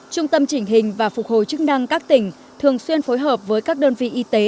trung tâm chỉnh hình và phục hồi chức năng các tỉnh thường xuyên phối hợp với các đơn vị y tế